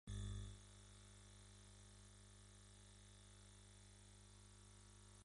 Se usa en alimentación humana y en animal en ganado porcino.